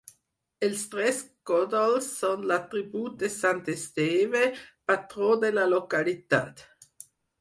Els tres còdols són l'atribut de sant Esteve, patró de la localitat.